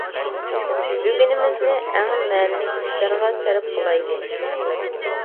بۈگۈنىمىزنى ئەڭ مەنىلىك ئىشلارغا سەرپ قىلايلى.